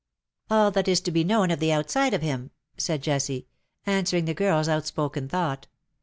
"All that is to be known of the outside of him," said Jessie, answering the girFs outspoken thought.